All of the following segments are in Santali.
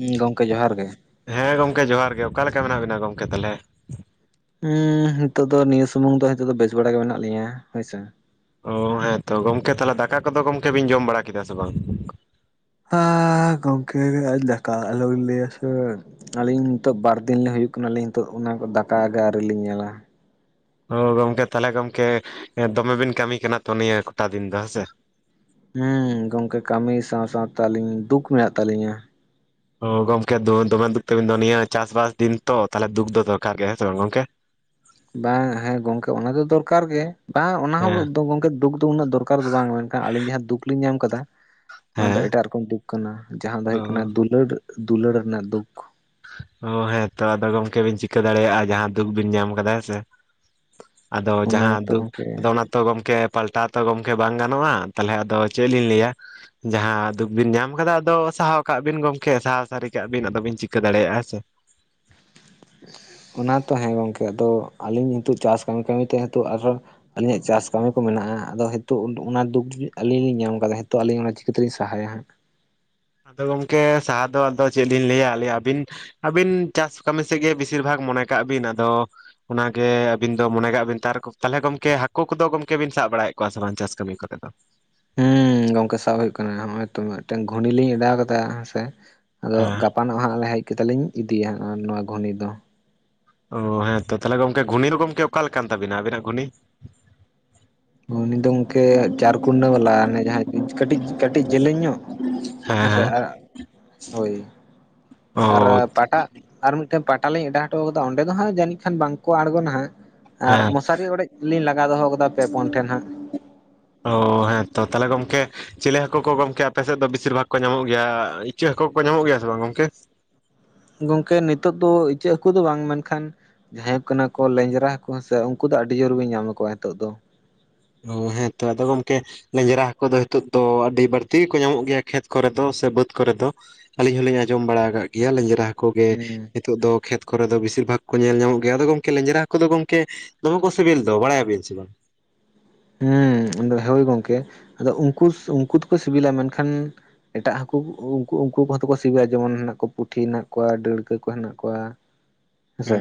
ᱦᱩᱸᱜᱚᱝᱠᱮ ᱡᱚᱦᱟᱨ ᱜᱮ᱾ ᱦᱮᱸ ᱜᱚᱝᱠᱮ ᱡᱚᱦᱟᱨ ᱜᱮ᱾ ᱚᱠᱟ ᱞᱮᱠᱟ ᱢᱮᱱᱟᱜ ᱵᱤᱱᱟ ᱜᱚᱝᱠᱮ ᱛᱟᱦᱚᱞᱮ? ᱦᱩᱸ ᱱᱤᱛᱚᱜ ᱫᱚ ᱱᱤᱭᱟᱹ ᱥᱩᱢᱩᱝ ᱫᱚ ᱦᱤᱛᱚᱜ ᱫᱚ ᱵᱮᱥ ᱵᱟᱲᱟ ᱜᱮ ᱢᱮᱱᱟᱜ ᱞᱤᱧᱟᱹ ᱦᱳᱭᱥᱮ᱾ ᱚᱻ ᱦᱮᱸ ᱛᱚ ᱜᱚᱝᱠᱮ ᱛᱟᱦᱚᱞᱮ ᱫᱟᱠᱟ ᱠᱚᱫᱚ ᱜᱚᱝᱠᱮ ᱵᱤᱱ ᱡᱚᱢ ᱵᱟᱲᱟ ᱠᱮᱫᱟ ᱥᱮ ᱵᱟᱝ? ᱦᱟᱻ ᱜᱚᱝᱠᱮ ᱫᱟᱠᱟ ᱟᱞᱚ ᱵᱤᱱ ᱞᱟᱹᱭᱟ ᱥᱮ, ᱟᱹᱞᱤᱧ ᱱᱤᱛᱚᱜ ᱵᱟᱨ ᱫᱤᱱ ᱞᱤᱧ ᱦᱩᱭᱩᱜ ᱠᱟᱱᱟ ᱟᱹᱞᱤᱧ ᱱᱤᱛᱚᱜ ᱚᱱᱟ ᱠᱚ ᱫᱟᱠᱟ ᱜᱮ ᱟᱹᱣᱨᱤ ᱞᱤᱧ ᱧᱮᱞᱟ ᱾ ᱚ ᱜᱚᱝᱠᱮ ᱛᱟᱞᱚᱦᱮ ᱜᱚᱝᱠᱮ ᱫᱚᱢᱮ ᱵᱤᱱ ᱠᱟᱹᱢᱤ ᱠᱟᱱᱟ ᱛᱚ ᱱᱤᱭᱟᱹ ᱠᱚᱴᱟ ᱫᱤᱱ ᱫᱚ ᱦᱮᱸ ᱥᱮ? ᱦᱩᱸ ᱜᱚᱝᱠᱮ ᱠᱟᱹᱢᱤ ᱥᱟᱶ ᱥᱟᱶᱛᱮ ᱟᱹᱞᱤᱧ ᱫᱩᱠ ᱢᱮᱱᱟᱜ ᱛᱟᱹᱞᱤᱧᱟ ᱾ ᱚ ᱜᱚᱝᱠᱮ ᱫᱚᱢᱮ ᱫᱩᱠ ᱛᱟᱵᱤᱱ ᱫᱚ, ᱱᱤᱭᱟᱹ ᱪᱟᱥ ᱵᱟᱥ ᱫᱤᱱ ᱛᱚ ᱛᱟᱞᱚᱦᱮ ᱫᱩᱠ ᱫᱚ ᱫᱚᱨᱠᱟᱨ ᱜᱮ ᱦᱮᱸ ᱥᱮ ᱵᱟᱝ ᱜᱚᱝᱠᱮ? ᱵᱟᱝ ᱦᱮᱸ ᱜᱚᱝᱠᱮ ᱚᱱᱟ ᱫᱚ ᱫᱚᱨᱠᱟᱨ ᱜᱮ ᱵᱟᱝ ᱚᱱᱟ ᱦᱚᱸ ᱦᱮᱸ ᱫᱚ ᱜᱚᱝᱠᱮ ᱫᱩᱠ ᱫᱩᱠ ᱨᱮᱱᱟᱜ ᱫᱚᱨᱠᱟᱨ ᱫᱚ ᱵᱟᱝ ᱢᱮᱱᱠᱷᱟᱱ ᱟᱞᱤᱧ ᱡᱟᱦᱟᱸ ᱫᱩᱠ ᱞᱤᱧ ᱧᱟᱢ ᱠᱟᱫᱟ, ᱚᱱᱟ ᱦᱮᱸ ᱫᱚ ᱮᱴᱟᱜ ᱨᱚ ᱠᱚᱢ ᱫᱩᱠ ᱠᱟᱱᱟ, ᱡᱟᱦᱟᱸ ᱫᱚ ᱚ ᱦᱩᱭᱩᱜ ᱠᱟᱱᱟ ᱫᱩᱞᱟᱹᱲ ᱫᱩᱞᱟᱹᱲ ᱨᱮᱱᱟᱜ ᱫᱩᱠ ᱾ ᱚ ᱦᱮᱸ ᱛᱚ ᱟᱫᱚ ᱜᱚᱝᱠᱮ ᱵᱤᱱ ᱪᱤᱠᱟᱹ ᱫᱟᱲᱮᱭᱟᱜᱼᱟ ᱡᱟᱦᱟᱸ ᱫᱩᱠ ᱵᱤᱱ ᱧᱟᱢ ᱠᱟᱫᱟ ᱦᱮᱸ ᱥᱮ ᱾ ᱟᱫᱚ ᱚᱱᱟ ᱡᱟᱦᱟᱸ ᱜᱮᱛᱚ ᱫᱩᱠ ᱜᱚᱝᱠᱮ ᱟᱫᱚ ᱚᱱᱟ ᱛᱚ ᱜᱚᱝᱠᱮ ᱯᱟᱞᱴᱟᱣ ᱛᱚ ᱜᱚᱝᱠᱮ ᱵᱟᱝ ᱜᱟᱱᱚᱜᱼᱟ, ᱛᱟᱦᱚᱞᱮ ᱟᱫᱚ ᱪᱮᱫ ᱞᱤᱧ ᱞᱟᱹᱭᱟ, ᱡᱟᱦᱟᱸ ᱫᱩᱠ ᱵᱤᱱ ᱧᱟᱢ ᱠᱟᱫᱟ ᱟᱫᱚ ᱥᱟᱦᱟᱣ ᱠᱟᱜ ᱵᱤᱱ ᱜᱚᱝᱠᱮ ᱥᱟᱦᱟᱣ ᱥᱟᱹᱨᱤ ᱠᱟᱜ ᱵᱤᱱ ᱟᱫᱚ ᱵᱤᱱ ᱪᱤᱠ ᱠᱟᱹ ᱫᱟᱲᱮᱭᱟᱜᱼᱟ ᱦᱮᱸ ᱥᱮ ᱾ ᱚᱱᱟ ᱛᱚ ᱦᱮᱸ ᱜᱚᱝᱠᱮ ᱟᱫᱚ ᱟᱹᱞᱤᱧ ᱦᱤᱸᱛᱚᱜ ᱪᱟᱥ ᱠᱟᱹᱢᱤ ᱠᱟᱹᱢᱤᱛᱮ ᱦᱤᱸᱛᱚᱜ ᱟᱨᱚ ᱟᱹᱞᱤᱧᱼᱟᱜ ᱪᱟᱥ ᱠᱟᱹᱢᱤ ᱠᱚ ᱢᱮᱱᱟᱜᱼᱟ᱾ ᱟᱫᱚ ᱦᱤᱛᱚᱜ ᱚᱱᱟ ᱫᱩᱠ ᱟᱹᱞᱤᱧ ᱞᱤᱧ ᱧᱟᱢ ᱠᱟᱫᱟ᱾ ᱦᱤᱛᱚᱜ ᱟᱹᱞᱤᱧ ᱚᱱᱟ ᱪᱤᱠᱟᱹᱛᱮ ᱞᱤᱧ ᱥᱟᱦᱟᱭᱟ ᱦᱟᱸᱜ? ᱟᱫᱚ ᱜᱚᱝᱠᱮ ᱥᱟᱦᱟ ᱫᱚ ᱟᱫᱚ ᱪᱮᱫ ᱞᱤᱧ ᱞᱟᱹᱭᱟ᱾ ᱟᱞᱮ ᱟᱹᱵᱤᱱ ᱟᱹᱵᱤᱱ ᱪᱟᱥ ᱠᱟᱹᱢᱤ ᱥᱮᱫ ᱜᱮ ᱵᱮᱥᱤᱨ ᱵᱷᱟᱜᱽ ᱢᱚᱱᱮ ᱠᱟᱜ ᱵᱤᱱ᱾ ᱟᱫᱚ ᱚᱱᱟᱜᱮ ᱟᱹᱵᱤᱱ ᱫᱚ ᱢᱚᱱᱮ ᱠᱟᱜ ᱵᱤᱱ, ᱛᱟᱦᱞᱮ ᱜᱚᱢᱠᱮ ᱦᱟᱹᱠᱩ ᱠᱚᱫᱚ ᱜᱚᱢᱠᱮ ᱵᱤᱱ ᱥᱟᱵ ᱵᱟᱲᱟᱭᱮᱫ ᱠᱚᱣᱟ ᱥᱮ ᱵᱟᱝ ᱪᱟᱥ ᱠᱟᱹᱢᱤ ᱠᱚᱨᱮ ᱫᱚ? ᱦᱩᱢ, ᱜᱚᱝᱠᱮ ᱥᱟᱵ ᱦᱩᱭᱩᱜ ᱠᱟᱱᱟ᱾ ᱱᱚᱜᱼᱚᱭ ᱛᱚ ᱢᱤᱫᱴᱮᱱ ᱜᱷᱩᱱᱤ ᱞᱤᱧ ᱚᱰᱟᱣ ᱠᱟᱫᱟ ᱦᱮᱸ ᱥᱮ ᱟᱫᱚ ᱜᱟᱯ ᱦᱮᱸ ᱜᱟᱯᱟᱱᱚᱜ ᱦᱟᱸᱜ ᱞᱮ ᱦᱮᱡ ᱠᱟᱛᱮᱫ ᱞᱤᱧ ᱤᱫᱤᱭᱟ ᱱᱚᱣᱟ ᱜᱷᱩᱱᱤ ᱫᱚ᱾ ᱚ ᱦᱮᱸ ᱛᱚ ᱛᱟᱦᱚᱞᱮ ᱜᱚᱢᱠᱮ, ᱜᱷᱩᱱᱤ ᱫᱚ ᱜᱚᱢᱠᱮ ᱚᱠᱟ ᱞᱮᱠᱟᱱ ᱛᱟᱵᱤᱱᱟ ᱟᱹᱵᱱᱟᱜ ᱜᱷᱩᱱᱤ? ᱜᱷᱩᱱᱤ ᱫᱚ ᱜᱚᱢᱠᱮ ᱪᱟᱨ ᱠᱩᱱᱟᱹ ᱵᱟᱞᱟ ᱚᱱᱮ ᱡᱟᱦᱟᱸ ᱠᱟᱹᱴᱤᱡ ᱠᱟᱹᱴᱤᱡ ᱡᱮᱞᱮᱧ ᱧᱚᱜ ᱦᱮᱸ ᱥᱮ ᱟᱨ, ᱦᱳᱭ᱾ ᱚ ᱟᱨ ᱯᱟᱴᱟ, ᱟᱨ ᱢᱤᱫᱴᱮᱱ ᱯᱟᱴᱟ ᱞᱤᱧ ᱚᱰᱟᱣ ᱦᱚᱴᱚ ᱠᱟᱫᱟ ᱚᱸᱰᱮ ᱫᱚ ᱦᱟᱸᱜ ᱡᱟᱹᱱᱤᱡ ᱠᱷᱟᱱ ᱵᱟᱝᱠᱚ ᱟᱬᱜᱚᱱᱟ ᱦᱟᱸᱜ᱾ ᱟᱨ ᱦᱮᱸ ᱢᱚᱥᱟᱨᱤ ᱚᱲᱮᱡ ᱠᱚᱞᱤᱧ ᱞᱟᱜᱟᱣ ᱫᱚᱦᱚ ᱠᱟᱫᱟ ᱯᱮ ᱯᱳᱱ ᱴᱷᱮᱱ ᱦᱟᱸᱜ᱾ [inaudible] ᱚ ᱦᱮᱸ ᱛᱚ ᱛᱟᱞᱦᱮ ᱜᱚᱢᱠᱮ, ᱪᱤᱞᱮ ᱦᱟᱹᱠᱩ ᱠᱚ ᱜᱚᱢᱠᱮ ᱟᱯᱮ ᱥᱮᱫ ᱫᱚ ᱵᱮᱥᱤᱨ ᱵᱷᱟᱜᱽ ᱠᱚ ᱧᱟᱢᱚᱜ ᱜᱮᱭᱟ? ᱤᱪᱟᱹᱜ ᱦᱟᱹᱠᱩ ᱠᱚᱠᱚ ᱧᱟᱢᱚᱜ ᱜᱮᱭᱟ ᱥᱮ ᱵᱟᱝ ᱜᱚᱝᱠᱮ? ᱜᱚᱝᱠᱮ ᱱᱤᱛᱚᱜ ᱫᱚ ᱤᱪᱟᱹᱜ ᱦᱟᱹᱠᱩ ᱫᱚ ᱵᱟᱝ, ᱢᱮᱱᱠᱷᱟᱱ ᱡᱟᱦᱟᱸᱭ ᱠᱟᱱᱟ ᱠᱚ ᱞᱮᱸᱧᱡᱽᱨᱟ ᱠᱩ ᱦᱮᱸ ᱥᱮ, ᱩᱱᱠᱩ ᱫᱚ ᱟᱹᱰᱤ ᱡᱳᱨᱵᱤᱱ ᱧᱟᱢ ᱠᱚᱣᱟ ᱱᱤᱛᱚᱜ ᱫᱚ᱾ ᱚ ᱦᱮᱸ ᱛᱚ ᱟᱫᱚ ᱜᱚᱢᱠᱮ ᱞᱮᱧᱡᱽᱨᱟ ᱦᱟᱹᱠᱩ ᱫᱚ ᱱᱤᱛᱚᱜ ᱫᱚ ᱟᱹᱰᱤ ᱵᱟᱹᱲᱛᱤ ᱜᱮᱠᱚ ᱧᱟᱢᱚᱜ ᱜᱮᱭᱟ ᱠᱷᱮᱛ ᱠᱚᱨᱮ ᱫᱚ ᱥᱮ ᱵᱟᱹᱫᱽ ᱠᱚᱨᱮ ᱫᱚ᱾ ᱟᱹᱞᱤᱧ ᱦᱚᱸᱞᱤᱧ ᱟᱸᱡᱚᱢ ᱵᱟᱲᱟ ᱠᱟᱜ ᱜᱮᱭᱟ᱾ ᱞᱮᱧᱡᱽᱨᱟ ᱦᱟᱹᱠᱩ ᱜᱮ ᱦᱩᱸ ᱱᱤᱛᱚᱜ ᱫᱚ ᱠᱷᱮᱛ ᱠᱚᱨᱮ ᱫᱚ ᱵᱮᱥᱤᱨ ᱵᱷᱟᱜᱽ ᱠᱚ ᱧᱮᱞ ᱧᱟᱢᱚᱜ ᱜᱮᱭᱟ᱾ ᱟᱫᱚ ᱜᱚᱢᱠᱮ ᱞᱮᱸᱧᱡᱽᱨᱟ ᱦᱟᱹᱠᱩ ᱫᱚ ᱜᱚᱝᱠᱮ, ᱫᱚᱢᱮ ᱠᱚ ᱥᱮᱵᱮᱞ ᱫᱚ᱾ ᱵᱟᱲᱟᱭᱟᱵᱤᱱ ᱥᱮ ᱵᱟᱝ? ᱦᱩᱸ, ᱩᱱ ᱫᱚ ᱦᱳᱭ ᱜᱚᱝᱠᱮ᱾ ᱟᱫᱚ ᱩᱱᱠᱩ ᱩᱱᱠᱩ ᱫᱚᱠᱚ ᱥᱤᱵᱤᱞᱟ᱾ ᱢᱮᱱᱠᱷᱟᱱ ᱮᱴᱟᱜ ᱦᱟᱹᱠᱩ ᱠᱩ ᱩᱱᱠᱩ ᱠᱚᱦᱚ ᱛᱚ ᱠᱚ ᱥᱤᱵᱤᱞᱟ ᱡᱮᱢᱚᱱ ᱢᱮᱱᱟᱜ ᱠᱚᱣᱟ ᱯᱩᱴᱷᱤ ᱦᱮᱱᱟᱜ ᱠᱚᱣᱟ, ᱰᱟᱹᱲᱠᱟᱹ ᱠᱚ ᱦᱮᱱᱟᱜ ᱠᱚᱣᱟ᱾ ᱦᱮᱸᱥᱮ ᱦᱮᱸ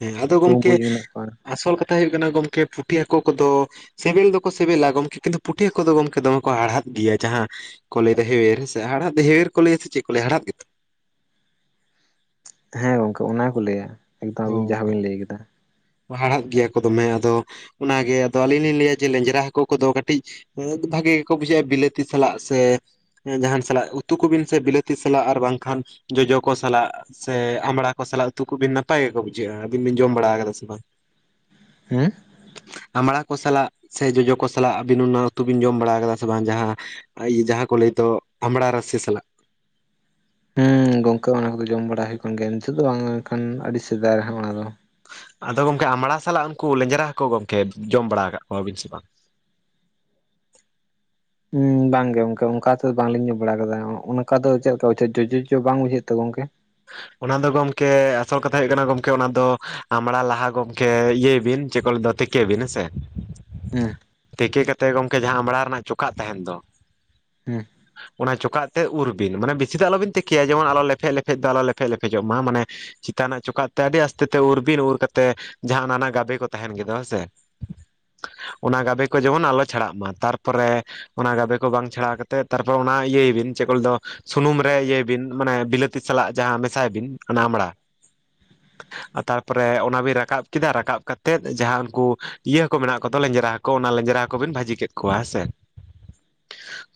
ᱦᱮᱸ ᱟᱫᱚ ᱜᱚᱢᱠᱮ ᱵᱩᱢᱵᱩᱡ ᱢᱮᱱᱟᱜ ᱠᱚᱣᱟ ᱟᱥᱚᱞ ᱠᱟᱛᱷᱟ ᱦᱩᱭᱩᱜ ᱠᱟᱱᱟ ᱜᱚᱝᱠᱮ, ᱯᱩᱴᱷᱤ ᱦᱟᱹᱠᱳ ᱠᱚᱫᱚ ᱥᱤᱵᱮᱞ ᱫᱚᱠᱚ ᱥᱤᱵᱮᱞᱟ ᱜᱚᱢᱠᱮ᱾ ᱠᱤᱱᱛᱩ ᱯᱩᱴᱷᱤᱟᱹ ᱦᱟᱠᱳ ᱫᱚ ᱜᱚᱢᱠᱮ ᱫᱚᱢᱮ ᱠᱚ ᱦᱟᱲᱦᱟᱫ ᱜᱮᱭᱟ᱾ ᱡᱟᱦᱟᱸ ᱠᱚ ᱞᱟᱹᱭ ᱫᱟ ᱦᱮᱣᱮᱨ᱾ ᱦᱮᱸ ᱥᱮ ᱦᱟᱲᱦᱟᱫ ᱫᱚ ᱦᱮᱣᱮᱨ ᱠᱚ ᱞᱟᱹᱭᱼᱟ ᱥᱮ ᱪᱮᱫ ᱠᱚ ᱞᱟᱹᱭᱟ? ᱦᱟᱲᱦᱟᱛ ᱜᱮᱛᱚ᱾ ᱦᱮᱸ ᱜᱚᱝᱠᱮ ᱚᱱᱟ ᱜᱮᱠᱚ ᱞᱟᱹᱭᱟ᱾ ᱮᱠᱫᱚᱢ ᱟᱵᱤᱱ ᱚ ᱡᱟᱦᱟᱸ ᱵᱤᱱ ᱞᱟᱹᱭ ᱠᱮᱫᱟ᱾ ᱦᱟᱲᱦᱟᱫ ᱜᱮᱭᱟ ᱠᱚ ᱫᱚᱢᱮ᱾ ᱟᱫᱚ ᱚᱱᱟᱜᱮ ᱟᱫᱚ ᱟᱞᱤᱧ ᱞᱤᱧ ᱞᱟᱹᱭᱟ ᱡᱮ ᱞᱮᱧᱡᱽᱨᱟ ᱦᱟᱹᱠᱩ ᱠᱚᱫᱚ ᱠᱟᱹᱴᱤᱡ ᱩᱸᱜ ᱵᱷᱟᱜᱮ ᱜᱮᱠᱚ ᱵᱩᱡᱷᱟᱹᱜᱼᱟ ᱵᱤᱞᱟᱹᱛᱤ ᱥᱟᱞᱟᱜ, ᱥᱮ ᱡᱟᱦᱟᱸᱱ ᱥᱟᱞᱟᱜ ᱩᱛᱩ ᱠᱚᱵᱤᱱ ᱥᱮ ᱵᱤᱞᱟᱹᱛᱤ ᱥᱟᱞᱟᱜ ᱟᱨ ᱵᱟᱝᱠᱷᱟᱱ ᱡᱚᱡᱚ ᱠᱚ ᱥᱟᱞᱟᱜ ᱥᱮ ᱟᱢᱲᱟ ᱠᱚ ᱥᱟᱞᱟᱜ ᱩᱛᱩ ᱠᱚᱵᱤᱱ ᱱᱟᱯᱟᱭ ᱜᱮᱠᱚ ᱵᱩᱡᱷᱟᱹᱜᱼᱟ᱾ ᱟᱹᱵᱤᱱ ᱵᱤᱱ ᱡᱚᱢ ᱵᱟᱲᱟ ᱠᱟᱫᱟ ᱥᱮ ᱵᱟᱝ? ᱦᱮᱸ᱾ ᱟᱢᱲᱟ ᱠᱚ ᱥᱟᱞᱟᱜ ᱥᱮ ᱡᱚᱡᱚ ᱠᱚ ᱥᱟᱞᱟᱜ ᱟᱹᱵᱤᱱ ᱚᱱᱟ ᱩᱛᱩ ᱵᱤᱱ ᱡᱚᱢ ᱵᱟᱲᱟᱣ ᱠᱟᱫᱟ᱾ ᱥᱮ ᱵᱟᱝ? ᱡᱟᱦᱟᱸ ᱤᱭᱟᱹ, ᱡᱟᱦᱟᱸ ᱠᱚ ᱞᱟᱹᱭ ᱫᱚ ᱟᱢᱲᱟ ᱨᱟᱥᱮ ᱥᱟᱞᱟᱜ᱾ ᱦᱩᱸ ᱜᱚᱝᱠᱮ ᱚᱱᱟ ᱠᱚᱫᱚ ᱡᱚᱢ ᱵᱟᱲᱟ ᱦᱚᱭᱚᱜ ᱠᱟᱱ ᱜᱮᱭᱟ᱾ ᱱᱤᱛᱚᱜ ᱫᱚ ᱵᱟᱝ ᱢᱮᱱᱠᱷᱟᱱ ᱟᱹᱰᱤ ᱥᱮᱫᱟᱭ ᱨᱮ ᱦᱟᱸ ᱚᱱᱟ ᱫᱚ᱾ ᱟᱫᱚ ᱜᱚᱝᱠᱮ ᱟᱢᱲᱟ ᱥᱟᱞᱟᱜ ᱩᱱᱠᱩ ᱞᱮᱸᱡᱽᱨᱟ ᱦᱟᱠᱩ ᱜᱚᱝᱠᱮ ᱡᱚᱢ ᱵᱟᱲᱟ ᱟᱠᱟᱫ ᱠᱚᱣᱟᱵᱤᱱ ᱥᱮ ᱵᱟᱝ? ᱩᱸᱢ ᱵᱟᱝ ᱜᱮ ᱜᱚᱝᱠᱮ ᱚᱱᱠᱟ ᱠᱟᱛᱮᱜ ᱫᱚ ᱵᱟᱝᱞᱤᱧ ᱧᱚᱢ ᱵᱟᱲᱟ ᱠᱟᱫᱟ ᱚᱱᱠᱟ ᱫᱚ ᱪᱮᱫ ᱫᱚ ᱡᱳ ᱡᱚᱡᱚ ᱡᱚᱡᱚ ᱵᱟᱝ ᱵᱩᱡᱷᱟᱹᱜ ᱟᱛᱚ ᱜᱚᱝᱠᱮ? ᱚᱱᱟ ᱫᱚ ᱜᱚᱝᱠᱮ ᱟᱥᱚᱞ ᱠᱟᱛᱷᱟ ᱦᱩᱭᱩᱜ ᱠᱟᱱᱟ ᱜᱚᱝᱠᱮ ᱚᱱᱟ ᱫᱚ ᱟᱢᱲᱟ ᱞᱟᱦᱟ ᱜᱚᱝᱠᱮ ᱤᱭᱟᱹᱭ ᱵᱤᱱ ᱪᱮᱫ ᱠᱚ ᱞᱟ. ᱭ ᱫᱚ ᱛᱮᱠᱤ ᱵᱤᱱ ᱦᱮᱸᱥᱮ ᱦᱩᱸ ᱛᱮᱠᱟᱹ ᱠᱟᱛᱮᱫ ᱜᱚᱝᱠᱮ ᱡᱟᱦᱟᱸ ᱟᱢᱲᱟ ᱨᱮᱱᱟᱜ ᱪᱚᱠᱟᱜ ᱛᱟᱦᱮᱱ ᱫᱚ ᱦᱮᱸ᱾ ᱚᱱᱟ ᱪᱚᱠᱟᱜ ᱛᱮ ᱩᱨ ᱵᱤᱱ ᱢᱟᱱᱮ ᱵᱮᱥᱤ ᱫᱚ ᱟᱞᱚᱵᱤᱱ ᱛᱤᱠᱤᱭᱟ ᱡᱮᱢᱚᱱ ᱟᱞᱚ ᱞᱮᱯᱷᱮᱫ ᱞᱮᱯᱷᱮᱫ ᱫᱚ ᱟᱞᱚ ᱞᱮᱯᱷᱮᱫ ᱞᱮᱯᱷᱮᱡᱚᱜ ᱢᱟ ᱢᱟᱱᱮ ᱪᱮᱛᱟᱱ ᱨᱮᱱᱟᱜ ᱪᱚᱠᱟᱜ ᱛᱮᱫ ᱟᱹᱰᱤ ᱟᱥᱛᱮ ᱛᱮ ᱩᱨ ᱵᱤᱱ ᱩᱨ ᱠᱟᱛᱮ ᱡᱟᱦᱟᱸ ᱚᱱᱟᱱᱟ ᱜᱟᱵᱮ ᱠᱚ ᱛᱟᱦᱮᱱ ᱜᱮᱫᱚ ᱦᱮᱸ ᱥᱮ ᱚᱱᱟ ᱜᱟᱵᱮ ᱠᱚ ᱡᱮᱢᱚᱱ ᱟᱞᱚ ᱪᱷᱟᱲᱟᱜ ᱢᱟ ᱛᱟᱨᱯᱚᱨᱮ ᱚᱱᱟ ᱜᱟᱵᱮ ᱠᱚ ᱵᱟᱝ ᱪᱷᱟᱲᱟᱣ ᱠᱟᱛᱮᱜ, ᱛᱟᱨᱯᱚᱨ ᱚᱱᱟ ᱤᱭᱟᱹᱭ ᱵᱤᱱ ᱪᱮᱫ ᱠᱚ ᱞᱟᱹᱭ ᱫᱚ ᱥᱩᱱᱩᱢ ᱨᱮ ᱤᱭᱟᱹᱭ ᱵᱤᱱ ᱢᱟᱱᱮ ᱵᱤᱞᱟᱹᱛᱤ ᱥᱟᱞᱟᱜ ᱡᱟᱦᱟᱸ ᱢᱮᱥᱟᱭ ᱵᱤᱱ ᱚᱱᱟ ᱟᱢᱲᱟ᱾ ᱛᱟᱨᱯᱚᱨᱮ ᱚᱱᱟ ᱵᱤᱱ ᱨᱟᱠᱟᱵ ᱠᱮᱫᱟ ᱨᱟᱠᱟᱵ ᱠᱟᱛᱮ ᱡᱟᱦᱟᱸ ᱩᱱᱠᱩ ᱤᱭᱟᱹ ᱦᱟᱹᱠᱩ ᱢᱮᱱᱟᱜ ᱠᱚᱫᱚ ᱞᱮᱧᱡᱨᱟ ᱦᱟᱹᱠᱩ᱾ ᱠᱚ ᱚᱱᱟ ᱞᱮᱧᱡᱽᱨᱟ ᱦᱟᱹᱠᱩ ᱠᱚᱵᱤᱱ ᱵᱷᱟᱹᱡᱤ ᱠᱮᱫ ᱠᱚᱣᱟ ᱦᱮᱸ ᱥᱮ᱾